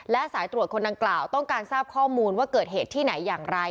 และสายตรวจคนดังกล่าวต้องการทราบข้อมูลว่าเกิดเหตุที่ไหนอย่างไร